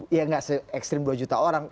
ya enggak ekstrim dua juta orang